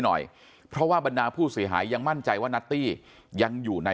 หน่อยเพราะว่าบรรดาผู้เสียหายยังมั่นใจว่านัตตี้ยังอยู่ใน